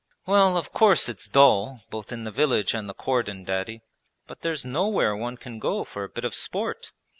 'Well, of course it's dull both in the village and the cordon, Daddy: but there's nowhere one can go for a bit of sport.